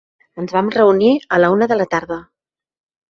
Ens vam reunir a la una de la tarda.